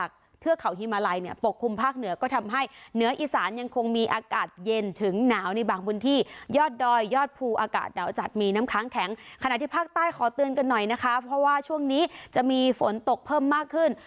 ขอเตือนกันหน่อยนะคะเพราะว่าช่วงนี้จะมีฝนตกเพิ่มมากขึ้น